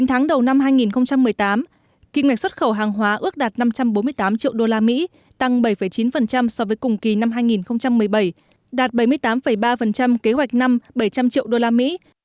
chín tháng đầu năm hai nghìn một mươi tám kim ngạch xuất khẩu hàng hóa ước đạt năm trăm bốn mươi tám triệu usd tăng bảy chín so với cùng kỳ năm hai nghìn một mươi bảy đạt bảy mươi tám ba kế hoạch năm bảy trăm linh triệu usd